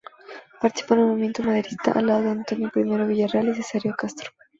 Participó en el movimiento maderista al lado de Antonio I. Villarreal y Cesáreo Castro.